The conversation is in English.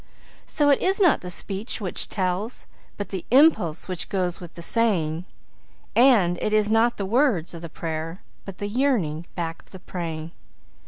So it is not the speech which tells, but the impulse which goes with the saying; And it is not the words of the prayer, but the yearning back of the praying.